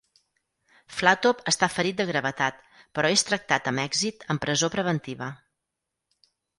Flattop està ferit de gravetat, però és tractat amb èxit en presó preventiva.